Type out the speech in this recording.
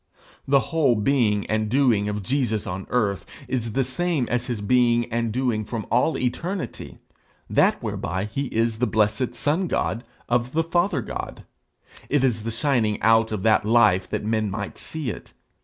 The whole being and doing of Jesus on earth is the same as his being and doing from all eternity, that whereby he is the blessed son God of the father God; it is the shining out of that life that men might see it.